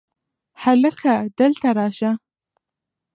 هلکه! دلته راشه!